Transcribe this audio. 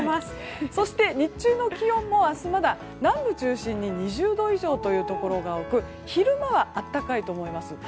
そして、日中の気温も明日まだ南部中心に２０度以上というところが多く昼間は暖かいと思います。